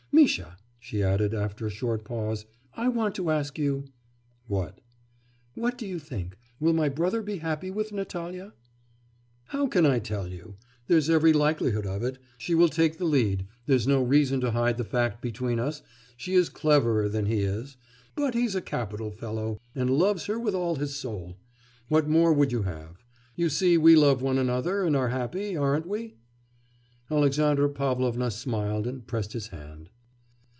Misha,' she added, after a short pause, 'I want to ask you ' 'What?' 'What do you think, will my brother be happy with Natalya?' 'How can I tell you?... there's every likelihood of it. She will take the lead... there's no reason to hide the fact between us... she is cleverer than he is; but he's a capital fellow, and loves her with all his soul. What more would you have? You see we love one another and are happy, aren't we?' Alexandra Pavlovna smiled and pressed his hand.